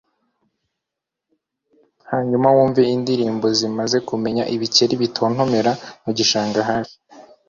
hanyuma wumve indirimbo zimaze kumenyera ibikeri bitontomera mugishanga hafi